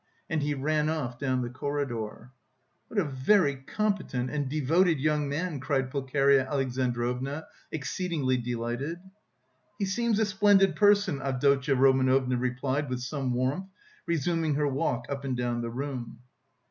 And he ran off down the corridor. "What a very competent and... devoted young man!" cried Pulcheria Alexandrovna exceedingly delighted. "He seems a splendid person!" Avdotya Romanovna replied with some warmth, resuming her walk up and down the room.